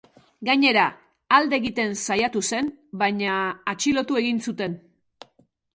Gainera, alde egiten saiatu zen, baina atxilotu egin zuten.